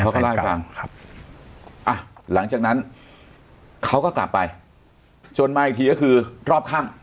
ครับอ่ะหลังจากนั้นเขาก็กลับไปจนมาอีกทีก็คือรอบครั้ง